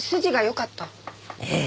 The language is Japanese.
ええ。